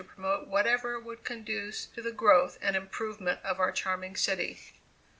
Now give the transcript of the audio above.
_] promote whatever would conduce to the growth and improvement of our charming city.